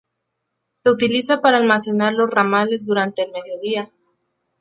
Se utiliza para almacenar los ramales durante el mediodía.